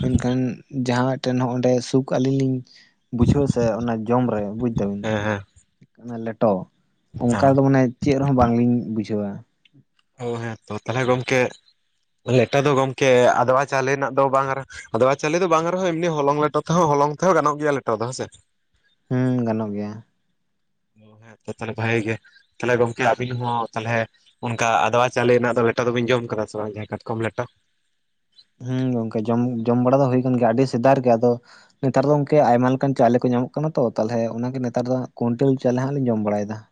ᱢᱮᱱᱠᱷᱟᱱ ᱡᱟᱦᱟᱸ ᱢᱮ ᱴᱮᱱ ᱦᱚᱸ ᱚᱸᱰᱮ ᱥᱩᱠ ᱟᱹᱞᱤᱧ ᱞᱤᱧ ᱵᱩᱡᱷᱟᱹᱣ-ᱟ ᱥᱮ ᱚᱱᱟ ᱡᱚᱢ ᱨᱮ ᱵᱩᱡ ᱫᱟᱹᱵᱤᱱ? ᱦᱮᱸ ᱦᱮᱸ ᱞᱮᱴᱚ ᱚᱱᱠᱟ ᱦᱮᱸ ᱫᱚ ᱢᱟᱱᱮ ᱪᱮᱫ ᱨᱮᱦᱚᱸ ᱵᱟᱝᱞᱤᱧ ᱵᱩᱡᱷᱟᱹᱣᱟ ᱾ ᱚ ᱦᱮᱸ ᱛᱚ ᱛᱟᱦᱚᱞᱮ ᱜᱚᱝᱠᱮ ᱞᱮᱴᱚ ᱫᱚ ᱜᱚᱝᱠᱮ ᱟᱫᱭᱣᱟ ᱪᱟᱣᱞᱮ ᱨᱮᱱᱟᱜ ᱫᱚ ᱵᱟᱝ ᱨᱮ ᱟᱫᱚᱭᱟ ᱪᱟᱣᱞᱮ ᱫᱚ ᱵᱟᱝ ᱨᱮᱦᱚᱸ ᱮᱢᱱᱤ ᱦᱚᱞᱚᱝ ᱞᱮᱴᱚ ᱛᱮᱦᱚᱸ ᱦᱚᱞᱚᱝ ᱛᱮᱦᱚᱸ ᱜᱟᱱᱚᱜ ᱜᱮᱭᱟ ᱞᱮᱴᱚ ᱫᱚ ᱦᱮᱸ ᱥᱮ᱾ ᱦᱳ ᱜᱟᱱᱚᱜ ᱜᱮᱭᱟ ᱾ ᱚ ᱦᱮᱸ ᱛᱚ ᱛᱟᱦᱚᱞᱮ ᱵᱷᱟᱜᱮ ᱛᱟᱦᱞᱮ ᱜᱚᱝᱠᱮ ᱟᱵᱤᱱ ᱦᱚᱸ ᱛᱟᱦᱚᱞᱮ ᱛᱟ ᱟᱫᱭᱣᱟ ᱪᱟᱣᱞᱮ ᱨᱮᱱᱟᱜ ᱫᱚ ᱞᱮᱴᱟ ᱫᱚᱵᱮᱱ ᱡᱚᱢ ᱠᱟᱫᱟ ᱥᱮ ᱵᱟᱝ ᱡᱟ ᱠᱟᱴᱠᱚᱢ ᱞᱮᱴᱚ? ᱦᱳᱸ ᱜᱚᱝᱠᱮ ᱡᱚᱢ ᱡᱚᱢ ᱵᱟᱲᱟ ᱫᱚ ᱦᱩᱭ ᱠᱟᱱ ᱜᱮᱭᱟ ᱟᱹᱰᱤ ᱥᱮᱫᱟᱨ ᱜᱮ ᱟᱫᱚ ᱱᱮᱛᱟᱨ ᱫᱚ ᱜᱚᱝᱠᱮ ᱟᱭᱢᱟ ᱞᱮᱠᱟᱱ ᱪᱟᱣᱞᱮ ᱠᱚ ᱧᱟᱢᱚᱜ ᱠᱟᱱᱟ ᱛᱚ ᱛᱟᱦᱚᱞᱮ ᱚᱱᱟ ᱜᱮ ᱱᱮᱛᱟᱨ ᱫᱚ ᱦᱟᱜ ᱠᱚᱱᱴᱚᱞ ᱪᱟᱣᱞᱮ ᱦᱟᱜ ᱞᱤᱧ ᱡᱚᱢ ᱵᱟᱲᱟᱭ ᱮᱫᱟ ᱾